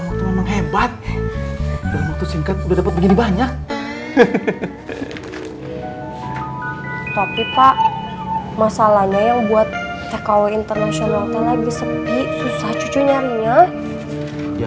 masalahnya yang buat tkw internasionalnya lagi sepi susah cucu nyaminnya